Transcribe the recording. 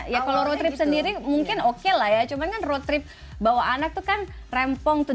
ya kalau road trip sendiri mungkin oke lah ya cuma kan road trip bawa anak tuh kan rempong tuh